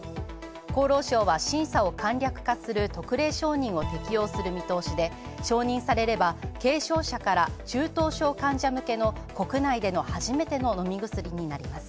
厚労省は審査を簡略化する特例承認を適用する見通しで承認されれば軽症者から中等症患者向けの初めての飲み薬なります。